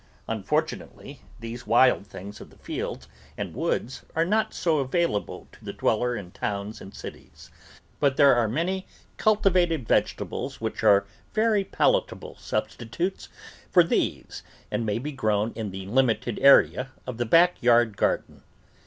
Unfortunately, these wild things of the fields and woods are not so avail able to the dweller in towns and cities, but there are many cultivated vegetables which are very palatable substitutes for these and may be grown in the limited area of the back yard garden.